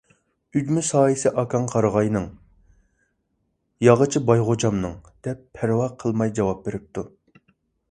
— ئۈجمە سايىسى ئاكاڭ قارىغاينىڭ، ياغىچى باي غوجامنىڭ، — دەپ پەرۋا قىلماي جاۋاب بېرىپتۇ.